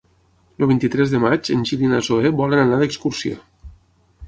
El vint-i-tres de maig en Gil i na Zoè volen anar d'excursió.